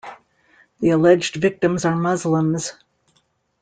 The alleged victims are Muslims.